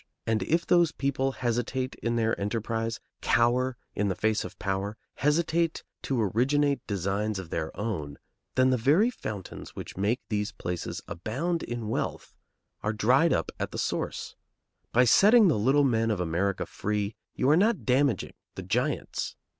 And if those people hesitate in their enterprise, cower in the face of power, hesitate to originate designs of their own, then the very fountains which make these places abound in wealth are dried up at the source. By setting the little men of America free, you are not damaging the giants.